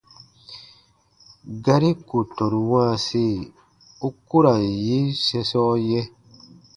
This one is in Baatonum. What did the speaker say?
Gari ku tɔnu wãasi, u ku ra n yin sɛ̃sɔ yɛ̃.